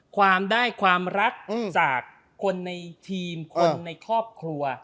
ความได้ความรักจากคนในทีมคนในครอบครัว